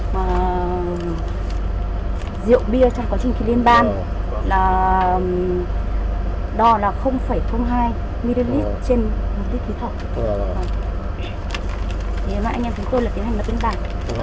và rượu bia trong quá trình khi lên ban là đo là hai ml trên mục đích thí thẩm